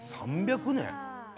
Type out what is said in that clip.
３００年？